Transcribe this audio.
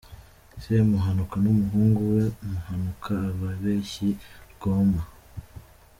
Semuhanuka n’umuhungu we Muhanuka, ababeshyi rwoma.